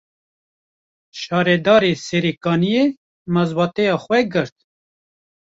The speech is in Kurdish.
Şaredarê Serêkaniyê, mazbataya xwe girt